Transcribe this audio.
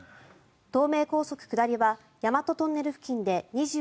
東名高速下りは大和トンネル付近で２２ｋｍ